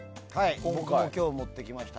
僕も今日持ってきました。